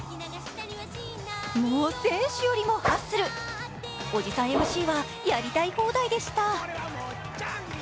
もう選手よりもハッスル、おじさんＭＣはやりたい放題でした。